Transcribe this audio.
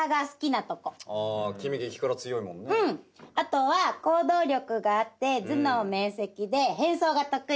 あとは行動力があって頭脳明晰で変装が得意なとこ。